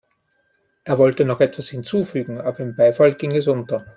Er wollte noch etwas hinzufügen, aber im Beifall ging es unter.